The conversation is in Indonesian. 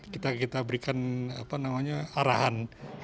kita berikan arahan